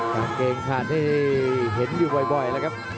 กางเกงขาดให้เห็นอยู่บ่อยแล้วครับ